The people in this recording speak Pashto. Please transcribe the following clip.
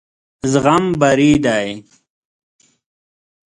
زغم بري دی.